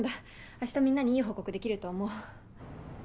明日みんなにいい報告できると思う。